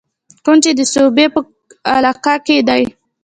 کوم چې د صوابۍ پۀ علاقه کښې دے